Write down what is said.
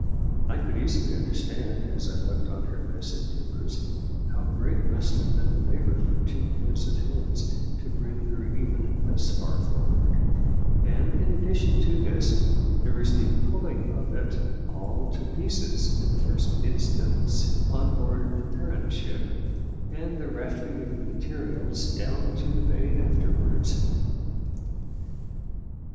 I could easily understand, as I looked on her massive timbers, how great must have been the labour for two pair of hands to bring her even thus far forward; and, in addition to this, there was the pulling of it all to pieces, in the first instance, on board the parent ship, and the rafting of the materials down to the bay afterwards.